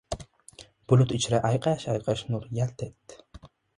Bulut ichra ayqash-ayqash nur yalt etdi.